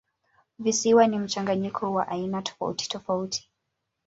Visiwa ni mchanganyiko wa aina tofautitofauti.